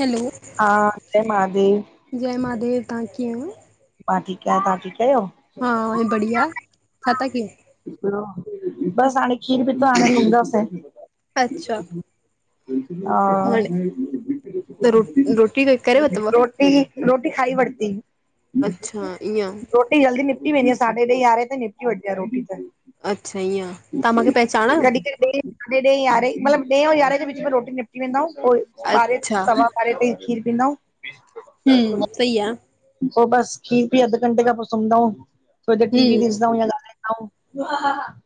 Hello, हा जय महादेव जय महादेव तव्हां कीअं आहियो? मां ठीकु आहियां, तव्हां ठीकु आहियो। हा, अ बढ़िया छा था कीय? बस हाणे खीर पीतो हाणे सुमदाासे। अच्छा हा, हाणे त रो रोटी करे वतव? रो रोटी खाई वर्ती। अच्छा इअं। रोटी जल्दी निपटी वेंदी आह, साॾे यारे त निपटी वठदी आह रोटी त अच्छा ईअं तव्हां मूंखे पहचाणव? साॾे ॾए यारें मतिलब ॾह अव यारें विच में रोटी निपटी वेंदा आउ ॿारह अच्छा सवा ॿारे ताई खीर पींदा आउ। हु सई आह। पोइ बस खीर पी अध घंटे में पोइ सुमधाऊ थोड़ी देर टी वी हम्म दिसदाऊ या [unintelligible]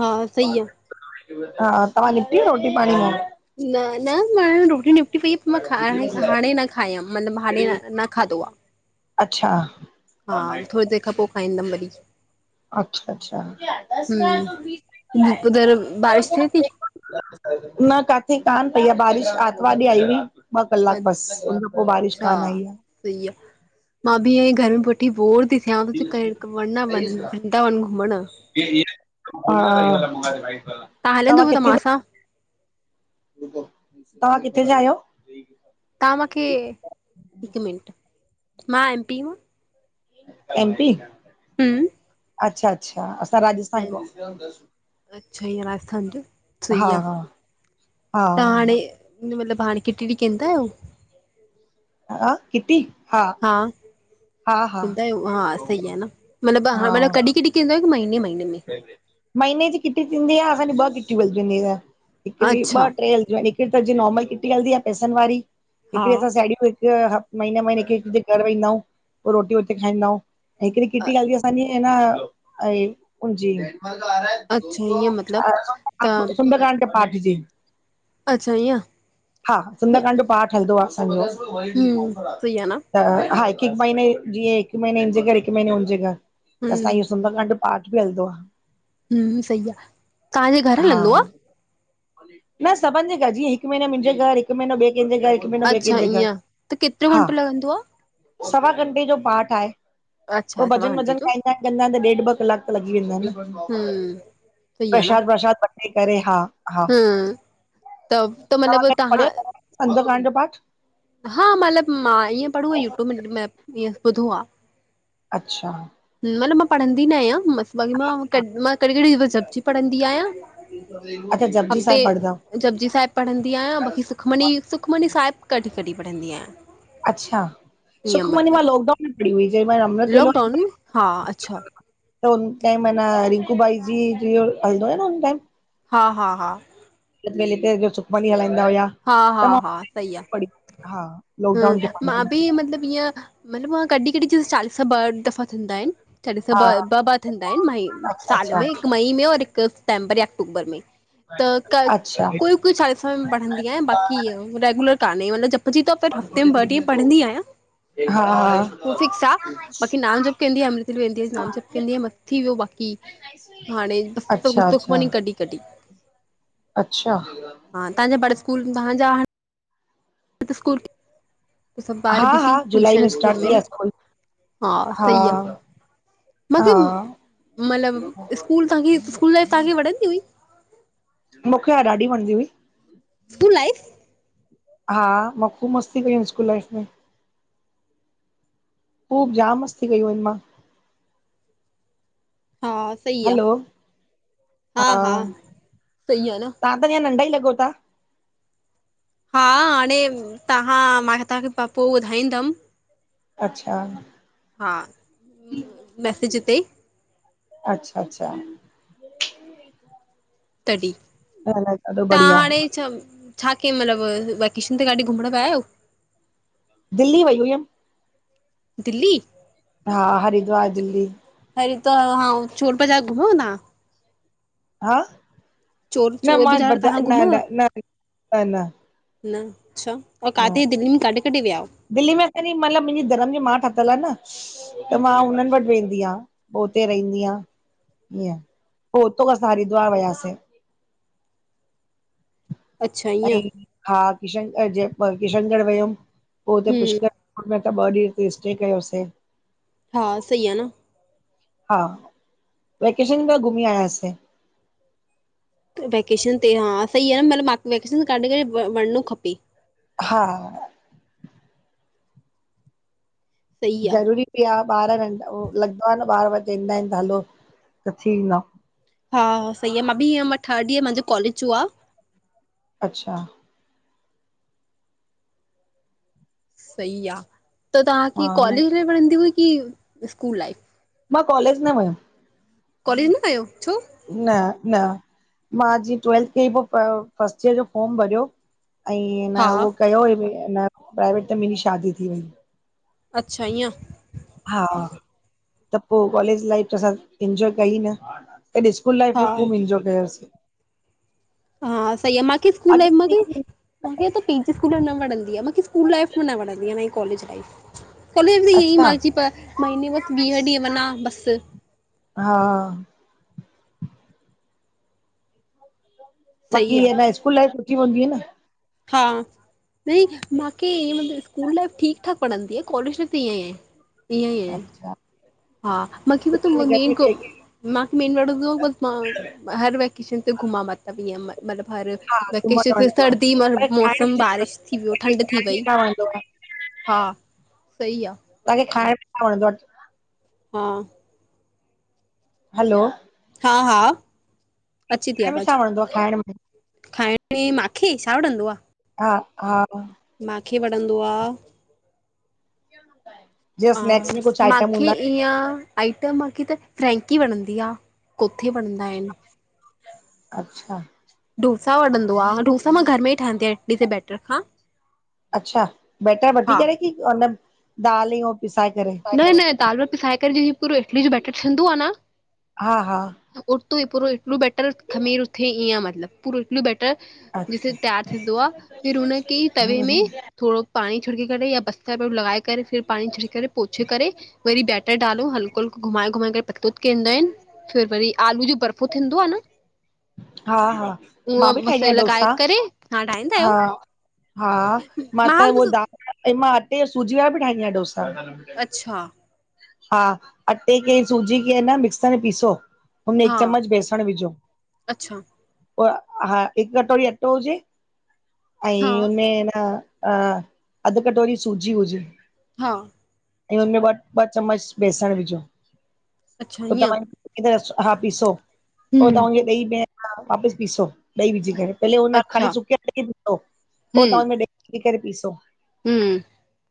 हा सही आ। हा तव्हां निपटी वया रोटी पाणी मां। न न, मां रोटी निपटी वई पर मां हाणे न खायमि मतिलबु हाणे न खाधो आह। अच्छा। हा थोरी देरि खां पोइ खाईंदमि वरी। अच्छा, अच्छा हम्म उधर बारिश थिए थी? [unintelligible] न काथे कान पई आह बारिश आरतवार ॾींंह आई हुई। ॿ कलाक बसि उन खा पोइ बारिश अच्छा कान आई आह। सही आह मां बि इयई घर में पु थी बोर थी थिया वरना व वदा व घुमण। [unintelligible] हां, तव्हां हलंदव त किथे? मां सां? तव्हां किथे जा आहियो? तव्हां माखे हिक मिंट मां एम पी मां। एम पी हु अच्छा, अच्छा असां राजस्थान खो अ अच्छा ईय राजस्थान जा सही आह, हा त हाणे उ मतिलब हाण किटनि कंदा आयो। ह ह किटी हा हा हा हा कन्दा आयो हा सही आह न मतिलब हा मतब कॾहिं कॾहिं कंदो आयो की महीने, महीने में? महीने जी किटी थींदी आह असांजी ॿ किटी मिलधुयु हिकि न ॿ अच्छा टे हलधयू आ हिकडी त असांजी नॉर्मल किटी हलंदी आह पैसनि वारी, हा हिकिड़ी असां साड़ियूं हिकु महीने महीने कि घर वेंदा आउ पोइ रोटी हुते खाईंदाऊ ऐं हिकिड़ी किटी असांजी आहे न जी अच्छा ईअं मतिलबु त [unintelligible] अच्छा इअं। हा सुंदकांड पाठ हलंदो आहे असांजो हम्म सही आहे न त हा हिकु हिकु महीने जीअं हिक महीने हिनजे घर हिक महीने हुनजे घर त असां हम्म इहो सुंदरकांड जो पाठ बि हलंदो आहे। हह सही आहे, तव्हांजे घरु हलंदो आहे? हा। न सभिनि जे घर, जीअं हिकु महीने मुंहिंजे घर हि हिकु महीनो बे कंहिंजे घर हिकु महीनो बे अच्छा कंहिंजे घर, ईअं त केतिरो हा। घंटो लॻंदो आ? सवा घंटे जो पाठ आहे, पोइ अच्छा सवा भॼन घंटे वज़न जो गाईंदान कंदान त ॾेढ ॿ कलाक त लॻी वेंदा आहिनि हम्म प्रशाद व्रशाद वठे करे हा। हा हम त त मतलब त्हां सुंदरकांड जो पाठ हा मतिलबु मां ईअं पढ़यो आ यूट्यूब में ईअ ॿुधो आहे। अछा मतिलब मां पढ़ंदी न आहियां बाक़ी मां मां हा कहिड़ी कहिड़ी जप जी पढ़ंदी आहियां अच्छा जपजी हफ़्ते साहिब पढ़ंदा आहियो। जपजी साहिब पढ़ंदी आहियां बाकी सुखमनी, सुखमनी साहिब कढहिं कढहिं पढ़ंदी आहियां। अच्छा, ईअं सुखमनी मां मतिलबु लॉकडाउन में पढ़ी हुई जे महिल अमिरित लॉकडाउन वेलोहल्दो में हो हा अच्छा त हुन टाइम ना रिंकू भाई जी हलंदो आहे न हुन टाइम। हा हा हा अमृत वेले सुखमनी हलाईंदा हुया हा हा त मा हा भी सही आ पढ़ी हा लॉकडाउन ह ते पढ़ी मां बि मतलबु ईअं मतलबु मां कॾहिं कॾहिं जीअ चालीसा ॿ दफ़ा थींदा आहिनि छाॾिस हा ॿ ॿ ॿ थींदा आहिनि मई अच्छा साल अच्छा में हिकु मई में और हिकु सितेंबर या अक्टूबर में त क अच्छा कोई कोई चालीसा में पढ़ंदी आहिया बाकी रेगुलर कानहे मतिलब जप जी त पर हफ़्ते में ॾींहं पढ़ंदी आहियां। हा हा उ फिक्स आहे बाकी नाम जब कंदी आ अमृतवेले वेंदी आहे नाम जब कंदी आहे। थी वियो बाक़ी हाणे बस सभ कुझ अच्छा सुखमनी कढी कढी अछा हा त्हांजा बार सकूल त्हाजा [unintelligible] सभु ॿार हा हा बिज़ी जुलाई टूशन स्टार्ट स्कूल थी में विया न, स्कूल हा सही आहे। हा मूंखे मतलबु स्कूल तांखे स्कूल लाइफ तव्हांखे वणंदी हुई? मूंखे, हा ॾाढी वणंदी हुई। तूं लाइफ हा, मां ख़ूब मस्ती कईयू स्कूल लाइफ में। खूब जामु मस्ती कयूं आहिनि मां। हा सही हलो आहे, हा हा सही आहे न। तव्हां त अञ नंढा ई लॻो ता। हा हाणे तव्हां मां तव्हांखे पोइ ॿुधाईंदमि अच्छा हा मैसेज ते ई अच्छा अछा तॾहिं, न न ॾाढो तव्हां बढ़िया हाणे छा छा कंहिं महिल मतलबु वैकेशन ते काॾे घुमणु विया आहियो? दिल्ली वई हुयम। दिल्ली? हा हरिद्वार दिल्ली अरीत्वा हा छोट बजा घुमो आ तां? हा चोर न चोर मां ब बाज़ार तव्हां न घुमव? न न न। न अच्छा व न काडे दिल्ली में काढे कढे वियाओ? दिल्ली में असांजी मलब मुंजी धरम जी मां ठातल आ न। त मां हुननि वटि वेंदी आं, पो हुते रहंदी आं। इअ पो हुतो खां असां हरिद्वार वयासे। अच्छा ईअं ऐं हा किशनग जे किशनगढ़ वियोऊ, पो हुते हम्म पुष्कर र में त ॿ ॾींहं उते स्टे कयोसे। हा सही आ न। हा वेकेशन में घुमी आयासे। वैकेशन ते हा, सही आ न मलबु मा वैकेशन काॾे काॾे वञिणो खपे। हा। सही आहे ज़रूरी बि आ ॿार नढा हो लॻंदो आ न ॿार वरी चईंदा आहिन हलो त थी ईंदाऊं। हा हा सही आ, मां बि इअ थड ईयर मुंजो कॉलेज जो आ। अच्छा। सई आ, त तांखे हा न कॉलेज लाइव वढ़ंदी हुई की, स्कूल लाइफ? मां कॉलेज न वयम। कॉलेज न कयो, छो? न न, मां जीअं ट्वेल्थ कई पो फर्स्ट ईयर जो फॉर्म भरियो ऐंई न हा हो कयोई न, प्राइवेट ते मुंजी शादी थी वई‌। अच्छा ईअं। हा त पो, कॉलेज लाइफ असां इनजॉय कई न। कॾे स्कूल लाइफ हा में ख़ूब इंजॉए कयोसी। हा सही आ, मांखे इस्कूल लाइफ माखे मूंखे पिज न वणंदी आ, मुखे स्कूल लाइफ न वणंदी आ न कालेज लाइफ। कॉलेज त इअं ई अच्छा मा [unintelligible] महीने बसि वीह ॾींहं वञा बसि। हा। सही बाक़ी य आहे न स्कूल लाइ सुठी हूंदी आ न। हा, न मांखे की मतिलब स्कूल लाइफ ठीक ठाक पढ़ंदी आ, कॉलेज लाइ ईअं ई आहे ईअं ई आहे। अच्छा हा माके ब घर मेन में मांके मेन वणंदो हो बस। मां हर वैकेशन ते घुमां मतलब इअ मनभर। हा घुमण वेकेशन कि वणंदो आहे सर्दी पर खाइण मौसम बारिश थी वियो ठंड थी में वई। न वणंदो आहे हा, सही आ। तांखे खाइण [unintelligible] हा। हलो, हा हा। अचे थी खाइण में छा आवाज़ु, वणंदो आहे खाइण में खाइण पी मींखे छा वणंदो आ? हा हा। मांखे वणंदो आ, जीअं स्नैक्स में कुछ आइटम मांखे हूंदा ईअं आइटम मांखे त फ्रैंकी वणंदी आ, कोथे वणंदा आहिन। अच्छा। डोसा वणंदो आ, डोसा मां घर में ई ठहंदी आहियां इडली जे बैटर खां। अच्छा बैटर वठी हा। करे की हुन दाल ऐं पिसाए करे? न न दाल वट पिसाए करे जी पूरो इडली जो बैटर थींदो आ न हा हा। उतो ई पूरो इटलो बेटर खमीर उथे ईयं आ मतिलब पूरो इढली जो बैटर जिते अच्छा तयारु थींदो आ फिर हुनखे तवे हम्म में हम्म, थोड़ो पाणी छुड़की करे या बसर पो लॻाए करे फिर पाणी छिड़की करे पुछे करे वरी बैटर डालो हलको हलको घुमाए घुमाए करे पतलो कईंदा आहिनि, फिर वरी आलू जो बर्फ़ो थींदो आ न हा हा मां बि उअं ठाहींदी बसि आहियां लॻाए डोसा करे, ठाहींदा हा, आहियो? हा मां त उह दाल ऐं मां अटे ऐं सूजी वारा बि ठाहींदी आहियां डोसा। अच्छा हा अटे खे सूजी खे न मिक्स करे पीसो, हा चमंच बेसण विझो अच्छा, पो हा हिकु कटोरी अटो हुजे, हा। अईं हुनमें न अ अध कटोरी सूजी हुजे, हा ऐं हुनम ॿ ॿ चमंच बेसण विझो अच्छा पोइ ईअं तव्ह हा पीसो पो हम्म तव्हां ॾही में वापसि पीसो, ॾईी विझी करे पहले हुन अच्छा ख़ाली सुके अटे खे पीसो पो हम्म तां उनमें ॾई विझी करे पीसो। हम्म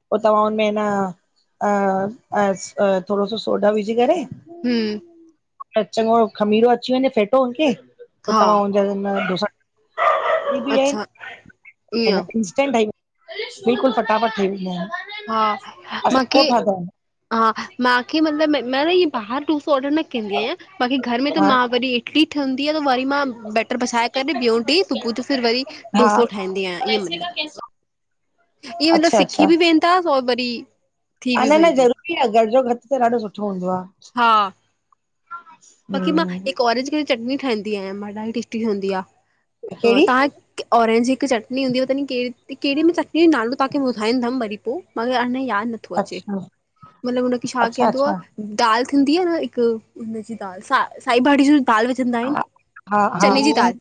पो तव्हां हुनमें न अं अं अस थोड़ो सो सोढा विझी करे, हम्म चञो खमीरो अची वञे फेटो हुनखे, पोइ हा तव्हां हुनजा अच्छा [unintelligible] ईअं ठहन भई बिल्कुल फटाफट ठही वेंदा आहिनि। हा असां मांखे पोइ खाधा हा मांखे मतलबु म न इअ ॿाहिरि डोसो ऑडर न कंदी आहियां, बाक़ी घर में त आहिनि मां वरी इडली ठहंदी आ त वरी मां बैटर पिसाए करे ॿियो ॾीहं सुबुह जो फिर वरी हा हा डोसो ठाहंदी आहियां ईअं मतिलब, ईअं मतिलबु अच्छा सिखी बि वेेंदा उ वरी, थी अ बि न न वेंदो ज़रूरी आ घर जो भति त ॾाढो सुठो हूंदो आ, हा, बाक़ी मां हम्म हिकु ऑरेंज कलर चटनी ठाहींदी आहियां मां ॾाढी टेस्टी ठहंदी आ, कहिड़ी अ-तव्हां कि ऑरेंज हिकु चटनी हूंदी हु तनि कहिड़ी -कहिड़ी में चटनी जो नालो तव्हांखे ॿुधाईंदमि वरी पो मांखे अञा यादि नथ थो अचे अच्छा मतिलबु हुनखे छा अच्छा केंदो अच्छा आ, दालि थींदी आ न हिकु सा साई भाॼी जी दाल विझंदा आहिनि, हा हा हा चने जी दाल,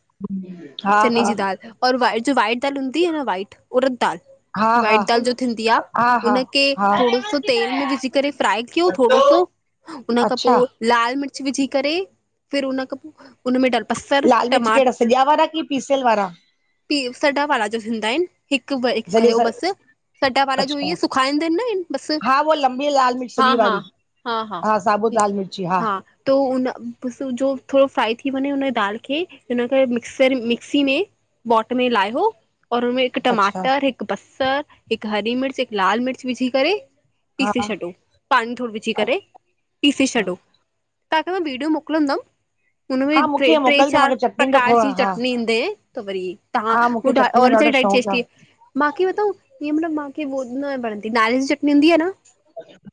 हा चने हा जी दाल और व जो वाइट दाल हूंदी आ न वाइट उरददाल हा वाइट हा दाल जो थींदी आ, हा हा उनखे हा थोडो सो तेल में विझी करे फ्राए क्यूं थोड़ो सो हुन खां पो अच्छा लाल मिर्च विझी करे फिर उन खां पो हुनमें डलबसर लाल मिर्च टमाट कहिड़ा सॼा वारा की पीसियल वारा पीअ सॾा वारा जो थींदाइन हिकु ब हिकु सॼे खयों स बसि सॾा वारा जो ईये अच्छा सुखाईंदाइन न बस हा उहा लंबी लाल मिर्च हा- सॼी हा वारी हा- हा साबुत लाल मिर्ची -हा, तो उन बस वो जो थोड़ो फ्राए थी वञे हुन दालि खे हिन करे मिक्सर मिक्सी में पॉट में लाह्ये और हुनमें हिक अच्छा टमाटर हिक बसर हिक हरी मिर्च हिक लाल मिर्च विझी करें हा पीसे छॾो पानी थोड़ो विझी करे ॾिसी अच्छा छॾो तहांखे मां वीडियो मोकलदम हा उनमें ट्रे मूंखे ट्रे मोकिलिजो चार मूंखे चटनी जो प्रकार खोड़ जी हा चटनी ईंदय त वरी तहां हा मूंखे ॿुधाए चटनी जो ओरेंज ॾाढो चटणी शौक़ु आ टेस्टी मांखी वटऊ ईयं मतलब मांखे हू न वणंदी नारेल जी चटनी हुंदी आ न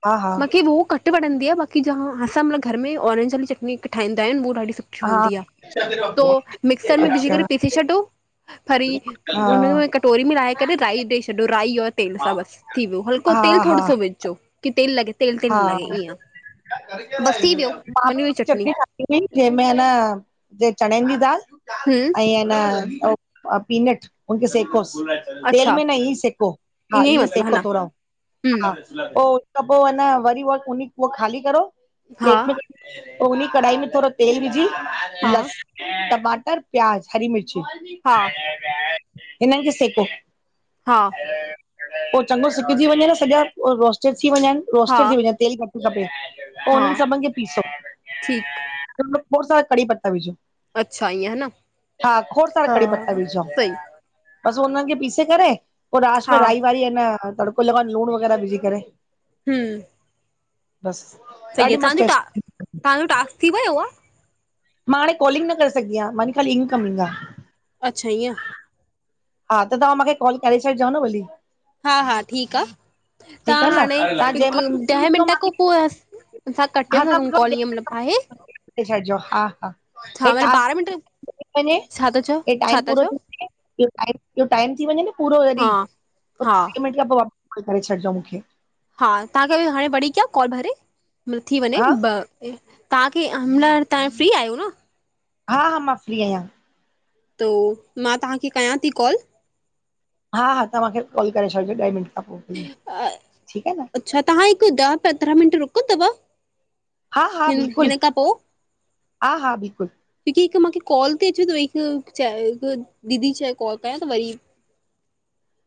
हा हा मांखे वो घट घट वंणदी आ बाकी जां असां मतल्बु घर में ओरेंज वारी चटनी बी ठाईंदा आह्युं उह हा ॾाढी घट तौ मिक्सर में विझी अच्छा करे पीसे छडो हरी हा उन में कटोरी में लाहे करे राई ॾेई छॾो राई जो तेल सां बस थी वियो हल्को तेल हा थोड़ो हा सो विझ छो कि तेल लगे तेल तेल न लॻे ईअं बसि थी वियो बनी वई चटनी [unintelligible] जेमें न जे चणन जी दाल। हुम्म ऐं एनं पीनट उनखे सेकोस। तेल अच्छा में न इंयई सेको हा ईअं ई इयंई मतिलबु ह सेको न थोड़ा, हा हम्म पो त पो वरी त वरी उवो कुनी ख़ाली करो। हा प्लेट में पो उनी कढ़ाई में थोड़ो तेल विझी हा लस टमाटर, प्याज, हरी मिर्च हा इनन खे सेको। हां पो चंॻो सिकजी वञे न सॼा रोस्टेड थी वञन हा रोस्टेड थी वञन तेल घट खपे पो हा उनन सभन खे पीसौ। ठीकु उनमे खोड़ सारा कड़ी पत्ता विझो। अच्छा ईअं ह न हा खोड़ सारा हा कड़ी पत्ता विझो सही बस उन खे पीसे करे पो लास्ट हा में राई वाई ऐं न तड़को लॻाय लुण वग़ैरह विझी करे। हुम्म बस ॾाढ़ी मस्त तव्हांजो टा टेस्ट तव्हांजो टास्क थी वियो आहे मां हाणे कोलिंग न करे सघदी आह्य। ख़ाली इन कमिंग आ अच्छ इयं हा त तहां मुखे कॉल करे छॾजो न भली। हा हा ठीक आ ठीकु तहां आहे न हाणे तव्हां हिकु जंहिंमहिल फ्री ॾह थियो मिन्ट खां मूंखे पो असां कटे ता सघु कॉल इंय मतलब आहे। कटे छॾजो हा हा हेए छा मतिलबु ॿारहं मिंट टास्क थी वञे छा था चओ हेए छा टाइम था पूरो चओ थी वञे टाइम थी वञे न पूरो ज़ॾी हा हा वीय मिंट खां पो वापिस कॉल करे छॾजो मुखे। हा तहांखे हाणे वरी कयां कॉल भले थी वञें हा तहांखे हिनमल तहां फ्री आह्यो न हा हा मां फ्री आह्यां। तो मां तहां खे कयां ती कॉल। हा हा तहांखे कॉल करे छॾजो ॾहें मिन्ट खां पो, ठीक आ न। अच्छ तहां हिकु ॾह पंद्रहा मिन्ट रुकंदव। आहा हा हिन बिलकुल, हिन खां अहा आहा बिल्कुल दीदी हिक मुखे कोल ती अचे त वरी हिक चए हिक दीदी चये कोल कयॉ त वरी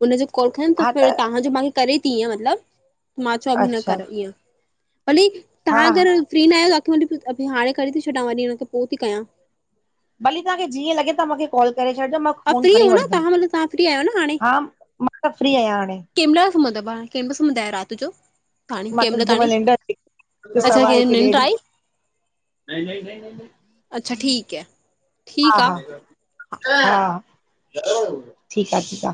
उनजो कोल खयम त फिर तहांजो मां करे ती इंय मत्लब मां चवा बि न अच्छा कर ईंय भली हा तहां हा अगर फ्री न आहियां तांखे मां आंटी अभी हाणे करे थी छॾा वरी न त पो ती कयां। भली तहांखे जीअं लॻे तहां माखे कॉल करे छॾिजो मां आप फोन फ्री खणी हो न वठंदमि तहां मतलब तहां फ्री आहियो न हाणे? हा मां फ्री आहिया हाणे। केंमल सुमुंदा ॿा, केंमल सुमुंदा आयो रात जो? ताणी मां कंहिं खे त महिल जैहेमल ताणी निंड अचे, अच्छा सवा कंहिं हिकु, निंड ॾेढु। आई अच्छा ठीक है। हा हा हा हा ठीक आ ठीक आ।